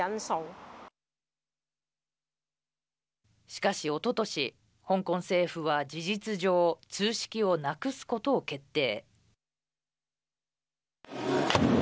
しかし、おととし香港政府は事実上通識をなくすことを決定。